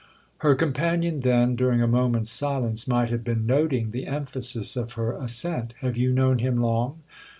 Her companion then, during a moment's silence, might have been noting the emphasis of her assent. "Have you known him long?"